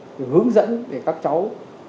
để hướng dẫn để các cháu